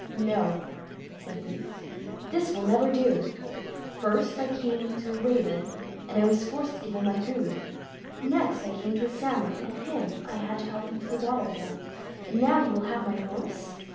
"No", said Boots, "this will never do; "first I came to a raven, and I was forced to give him my food; next I came to a salmon, and him I had to help into the water again; and now you will have my horse.